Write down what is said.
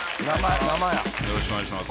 生やよろしくお願いします